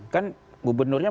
kan gubernurnya itu